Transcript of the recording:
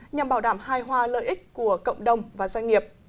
nhằm bảo đảm hài hòa lợi ích của cộng đồng và doanh nghiệp